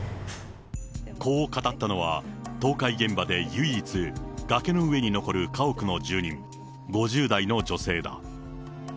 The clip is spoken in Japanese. こう語ったのは、倒壊現場で唯一、崖の上に残る家屋の住人、５０代の女性だ。